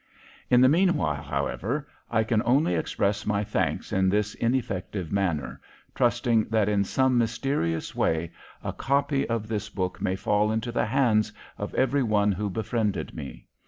In the meanwhile, however, I can only express my thanks in this ineffective manner, trusting that in some mysterious way a copy of this book may fall into the hands of every one who befriended me.